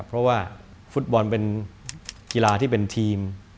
เพราะว่าฟุตบอลเป็นกีฬาที่เป็นทีม